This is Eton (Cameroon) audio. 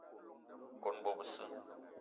Kone bo besse